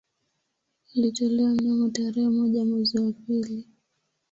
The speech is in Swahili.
Ilitolewa mnamo tarehe moja mwezi wa pili